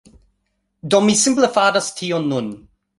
Do, mi simple faras tion nun